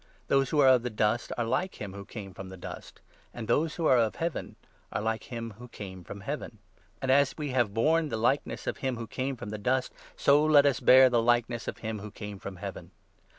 Those who are of the dust are like him 48 who came from the dust ; and those who are of Heaven are like him who came from Heaven. And as we have borne 49 the likeness of him who came from the dust, so let us bear the likeness of him who came from Heaven.